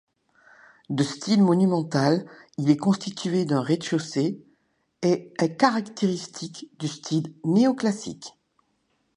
De style monumental, il est constitué d'un rez-de-chaussée et est caractéristique du style néo-classique.